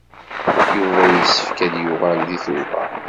Yuba yessefk ad d-yuɣal deg Tubeṛ.